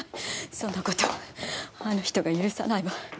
そんな事あの人が許さないわ。